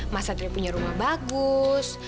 mas satria punya rumah bagus